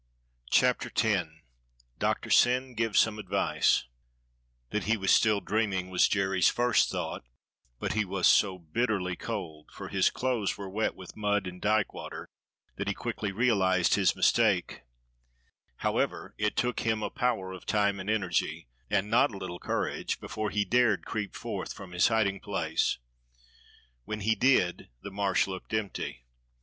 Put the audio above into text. CHAPTER X DOCTOR SYN GIVES SOME ADVICE THAT he was still dreaming was Jerry's first thought, but he was so bitterly cold — for his clothes were wet with mud and dyke water — that he quickly realized his mistake; however, it took him a power of time and energy, and not a little courage, before he dared creep forth from his hiding place. When he did the Marsh looked empty.